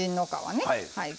はい。